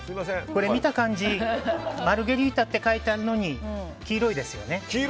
これ、見た感じマルゲリータと書いてあるのに黄色いですよね。